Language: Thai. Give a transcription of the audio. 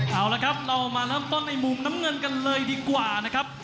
เอาละครับเรามาเริ่มต้นในมุมน้ำเงินกันเลยดีกว่านะครับ